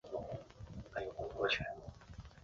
母方氏。